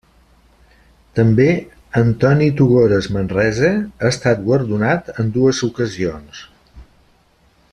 També Antoni Tugores Manresa ha estat guardonat en dues ocasions.